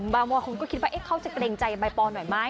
บางคนก็คิดว่าเขาจะเกรงใจใบปอนหน่อยไหม